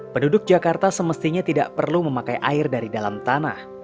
penduduk jakarta semestinya tidak perlu memakai air dari dalam tanah